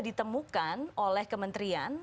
ditemukan oleh kementerian